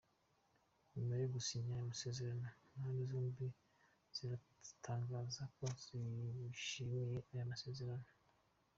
Nyuma yo gusinya aya masezerano impande zombi ziratangaza ko zishimiye aya masezerano.